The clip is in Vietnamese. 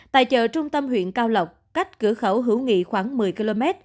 tại chợ trung tâm huyện cao lộc cách cửa khẩu hữu nghị khoảng một mươi km